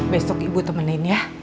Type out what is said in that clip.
besok ibu temenin ya